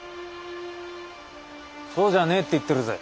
そうじゃねえって言ってるぜ。